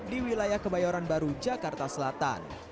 di wilayah kebayoran baru jakarta selatan